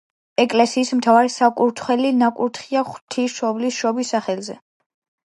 ეკლესიის მთავარი საკურთხეველი ნაკურთხია ღვთისმშობლის შობის სახელზე.